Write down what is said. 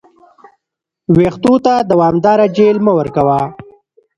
ویښتو ته دوامداره جیل مه ورکوه.